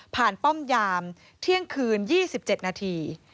ป้อมยามเที่ยงคืน๒๗นาที